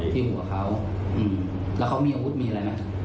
ที่หัวเขาแล้วเขามีอาวุธมีอะไรไหม